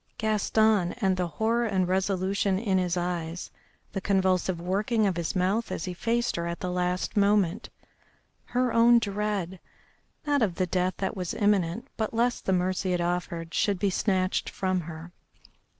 Gaston, and the horror and resolution in his eyes, the convulsive working of his mouth as he faced her at the last moment. Her own dread not of the death that was imminent, but lest the mercy it offered should be snatched from her.